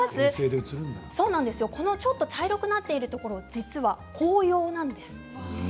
ちょっと茶色くなっているところ実は紅葉なんです。